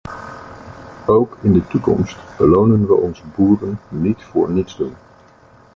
Ook in de toekomst belonen we onze boeren niet voor nietsdoen.